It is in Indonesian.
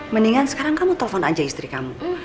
mendingan sekarang kamu telpon aja istri kamu